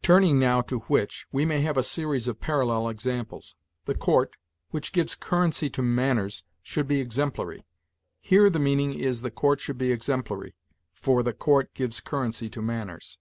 "Turning now to 'which,' we may have a series of parallel examples. 'The court, which gives currency to manners, should be exemplary': here the meaning is 'the court should be exemplary, for the court gives currency to manners.'